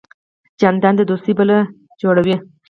جانداد د دوستۍ پله جوړوي.